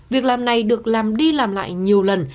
việc làm này được làm đi làm lại nhiều lần